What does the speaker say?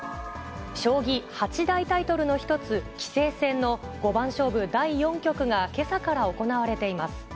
将棋八大タイトルの一つ、棋聖戦の五番勝負第４局がけさから行われています。